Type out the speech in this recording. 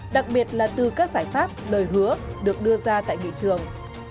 đặc biệt là từ các giải pháp lời hứa được đưa ra tại nghị trường